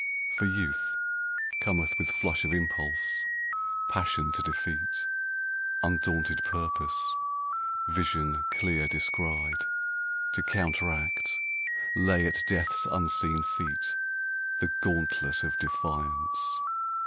For Youth cometh With flush of impulse, passion to defeat, Undaunted purpose, vision clear descried, To counteract, lay at Death's unseen feet The gauntlet of defiance.